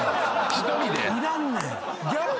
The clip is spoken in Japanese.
１人で！？